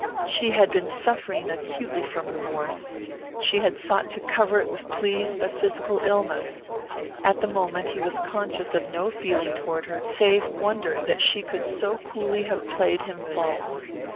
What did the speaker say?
She had been suffering acutely from remorse; she had sought to cover it with pleas of physical illness. At the moment he was conscious of no feeling toward her save wonder that she could so coolly have played him false.